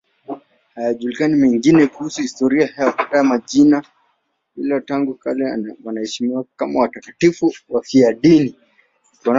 Hayajulikani mengine kuhusu historia yao, hata majina, ila tangu kale wanaheshimiwa kama watakatifu wafiadini.